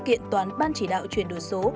kiện toán ban chỉ đạo chuyển đổi số